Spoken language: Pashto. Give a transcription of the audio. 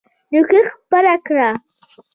نيکي خپره کړه.